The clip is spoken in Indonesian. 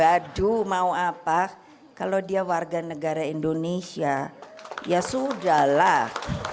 aduh mau apa kalau dia warga negara indonesia ya sudahlah